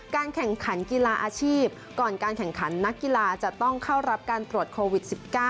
แข่งขันกีฬาอาชีพก่อนการแข่งขันนักกีฬาจะต้องเข้ารับการตรวจโควิด๑๙